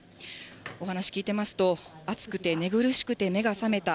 お話聞いてますと、暑くて寝苦しくて、目が覚めた。